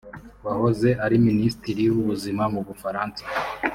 wahoze ari Minisitiri w’Ubuzima mu Bufaransa